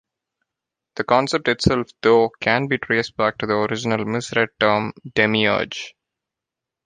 The concept itself though can be traced back to the original misread term demiurge.